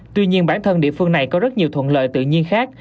tuy nhiên bản thân địa phương này có rất nhiều thuận lợi tự nhiên khác